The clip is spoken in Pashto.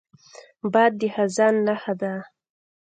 باد د خزان نښه ده